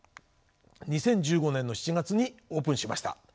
２０１５年の７月にオープンしました。